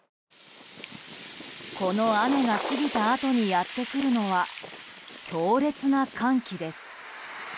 この雨が過ぎたあとにやってくるのは強烈な寒気です。